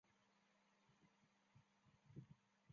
粗壮省藤为棕榈科省藤属下的一个变种。